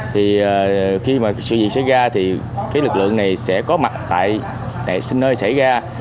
thì khi mà sự việc xảy ra thì cái lực lượng này sẽ có mặt tại nơi xảy ra